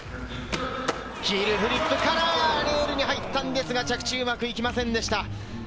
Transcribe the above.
ヒールフリップからレールに入ったんですが着地、うまくいきませんでした。